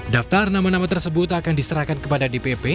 daftar nama nama tersebut akan diserahkan kepada dpp